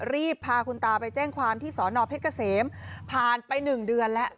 รีบพาคุณตาไปแจ้งความที่สอนอเพชรเกษมผ่านไป๑เดือนแล้ว